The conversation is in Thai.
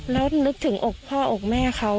แล้วนึกถึงอกพ่ออกแม่เขา